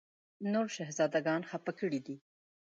نور شهزاده ګان خپه کړي دي.